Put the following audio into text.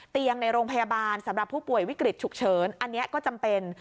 ในโรงพยาบาลสำหรับผู้ป่วยวิกฤตฉุกเฉินอันนี้ก็จำเป็น